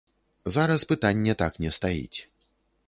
Зараз пытанне так не стаіць.